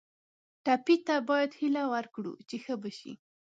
ټپي ته باید هیله ورکړو چې ښه به شي.